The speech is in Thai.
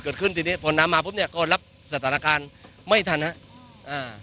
เกิดขึ้นทีนี้พอน้ำมาปุ๊บเนี้ยก็รับสถานการณ์ไม่ทันฮะอ่า